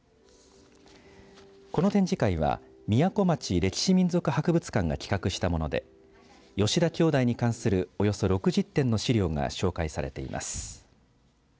この展示会はみやこ町歴史民俗博物館が企画したもので吉田兄弟に関するおよそ６０点の資料が紹介されています。